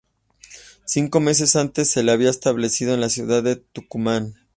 Cinco meses antes se la había establecido en la ciudad de Tucumán.